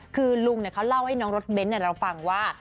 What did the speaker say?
คือลุงเขาเล่าให้น้องรถเบ้นเราฟังว่า